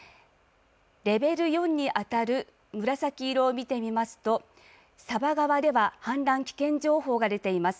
レベル４に当たる紫色を見てみますと佐波川では氾濫危険情報が出ています。